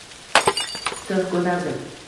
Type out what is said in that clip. Tig’ ko’tardim.